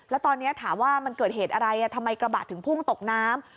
แล้วตอนนี้ถามว่ามันเกิดเหตุอะไรทำไมกระบะถึงพุ่งตกน้ำ